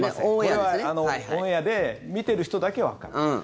これはオンエアで見ている人だけわかる。